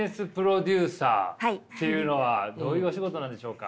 というのはどういうお仕事なんでしょうか？